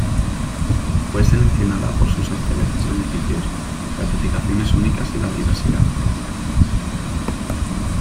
Fue seleccionada por sus excelentes beneficios, gratificaciones únicas y la diversidad.